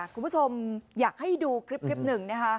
คุณผู้ชมอยากให้ดูคลิปหนึ่งนะคะ